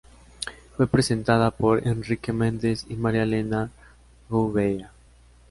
Fue presentada por Henrique Mendes y Maria Helena Gouveia.